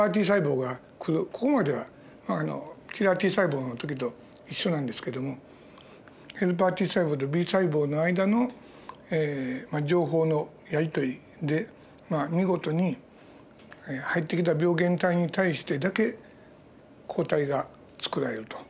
ここまではキラーＴ細胞の時と一緒なんですけどもヘルパーＴ細胞とＢ細胞の間の情報のやり取りで見事に入ってきた病原体に対してだけ抗体がつくられると。